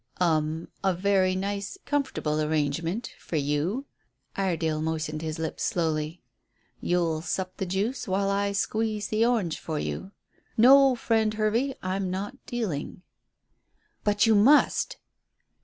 "Um. A very nice, comfortable arrangement for you." Iredale moistened his lips slowly. "You'll sup the juice while I squeeze the orange for you. No, friend Hervey, I'm not dealing." "But you must!"